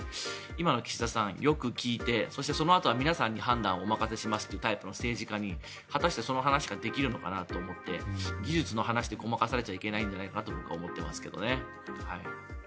今の岸田さん、よく聞いてそしてそのあとは皆さんに判断をお任せしますというタイプの政治家にそういう話ができるのかなと思って技術の話でごまかされちゃいけないと思いますけどね。